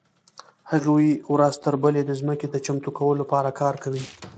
هغوی ورځ تر بلې د ځمکې د چمتو کولو لپاره کار کاوه.